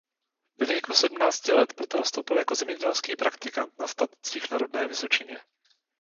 Ve věku sedmnácti let proto nastoupil jako zemědělský praktikant na statcích na rodné Vysočině.